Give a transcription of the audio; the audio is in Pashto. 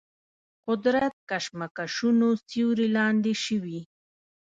قدرت کشمکشونو سیوري لاندې شوي.